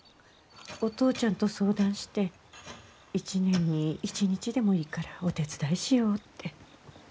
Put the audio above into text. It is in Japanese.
お父ちゃんと相談して一年に一日でもいいからお手伝いしようって。